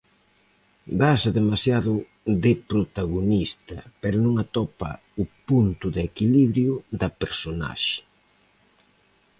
Dáse demasiado de protagonista pero non atopa o punto de equilibrio da personaxe.